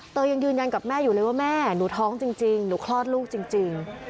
ยังยืนยันกับแม่อยู่เลยว่าแม่หนูท้องจริงหนูคลอดลูกจริง